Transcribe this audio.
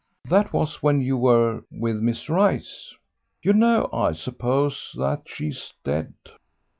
That was when you were with Miss Rice; you know, I suppose, that she's dead."